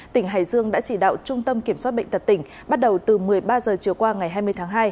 tỉnh hải dương đã chỉ đạo trung tâm kiểm soát bệnh tật tỉnh bắt đầu từ một mươi ba h chiều qua ngày hai mươi tháng hai